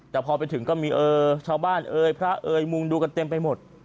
แต่พอไปถึงก็มีเออชาวบ้านเอ่ยพระเอ๋ยมุงดูกันเต็มไปหมด